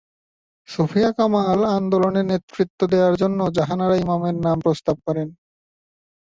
সুফিয়া কামাল আন্দোলনে নেতৃত্ব দেওয়ার জন্য জাহানারা ইমামের নাম প্রস্তাব করেন।